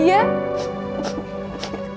emaknya benci sama dia